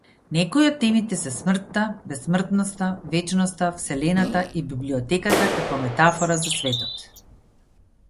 Некои од темите се смртта, бесмртноста, вечноста, вселената и библиотеката како метафора за светот.